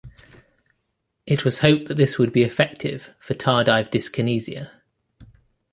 It was hoped that this would be effective for tardive dyskinesia.